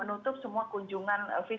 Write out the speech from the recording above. jadi kita melakukan kunjungan online atau daring